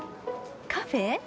カフェ？